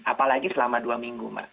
apalagi selama dua minggu